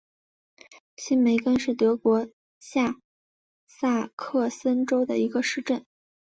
梅辛根是德国下萨克森州的一个市镇。